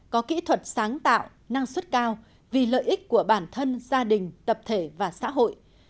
có kỹ thuật sáng tạo năng suất cao vì lợi ích của bản thân gia đình tập thể và xã hội